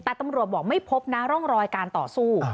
แต่ตำรวจบอกไม่พบนะร่องรอยการต่อสู้